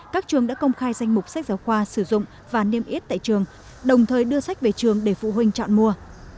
các trường đã công khai danh mục sách giáo khoa sử dụng và niêm yết tại trường đồng thời đưa sách về trường để phụ huynh chọn mua